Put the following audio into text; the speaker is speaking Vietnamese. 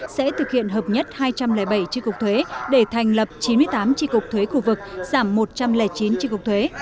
sẽ thực hiện hợp nhất hai trăm linh bảy tri cục thuế để thành lập chín mươi tám tri cục thuế khu vực giảm một trăm linh chín tri cục thuế